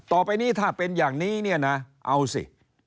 ต่อไปนี้ถ้าเป็นอย่างนี้เนี่ยนะเอาสิ